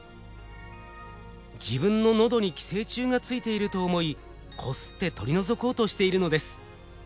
自分の喉に寄生虫がついていると思いこすって取り除こうとしているのです。